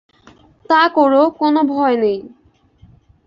তা কোরো, কোনো ভয় নেই।